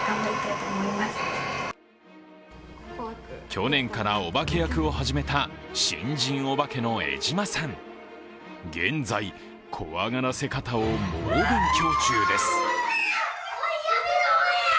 去年からお化け役を始めた新人お化けの江島さん、現在、怖がらせ方を猛勉強中です。